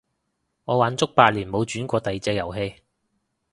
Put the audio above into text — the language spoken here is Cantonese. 我玩足八年冇轉過第隻遊戲